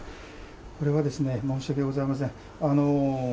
これはですね、申し訳ございません。